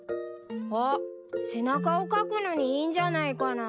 あっ背中をかくのにいいんじゃないかな？